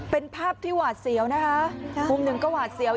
เป็นภาพที่หวาดเสียวนะคะมุมหนึ่งก็หวาดเสียว